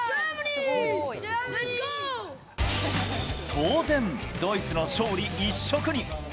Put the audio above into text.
当然、ドイツの勝利一色に。